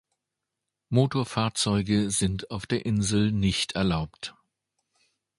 Motorfahrzeuge sind auf der Insel nicht erlaubt.